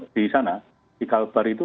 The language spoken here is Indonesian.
di sana di kalbar itu